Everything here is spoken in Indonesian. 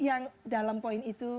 yang dalam poin itu